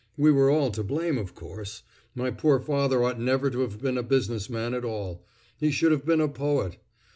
We were all to blame, of course. My poor father ought never to have been a business man at all; he should have been a poet.